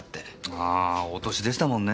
ああお年でしたもんね。